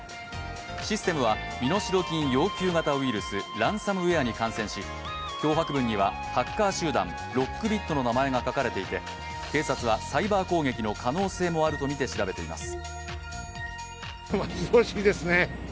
システムは身代金要求型ウイルス＝ランサムウエアに感染し脅迫文にはハッカー集団、ロックビットの名前が書かれていて警察はサイバー攻撃の可能性もあるとみて調べています。